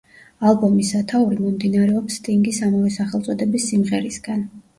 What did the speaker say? ალბომის სათაური მომდინარეობს სტინგის ამავე სახელწოდების სიმღერისგან.